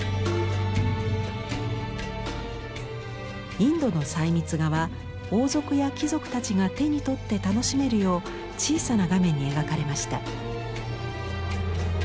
インドの細密画は王族や貴族たちが手に取って楽しめるよう小さな画面に描かれました。